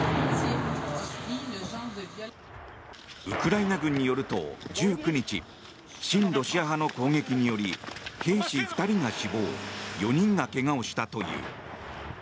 ウクライナ軍によると、１９日親ロシア派の攻撃により兵士２人が死亡４人がけがをしたという。